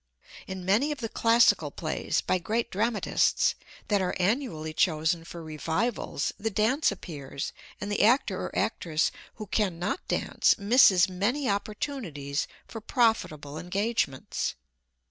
In many of the classical plays, by great dramatists, that are annually chosen for revivals, the dance appears, and the actor or actress who cannot dance misses many opportunities for profitable engagements.